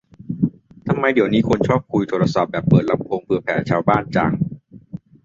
ทำไมเดี๋ยวนี้คนชอบคุยโทรศัพท์แบบเปิดลำโพงเผื่อแผ่ชาวบ้านจัง